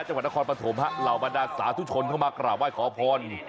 จังหวัดนครปนโฑมค่ะเรามาด้านสาวทุกชนเข้ามากราบว่าขอพร